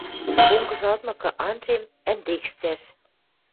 Понгыжалтмыкы анжем — ӹндекш цӓш!